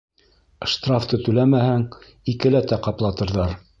Штрафты түләмәһәң, икеләтә ҡаплатырҙар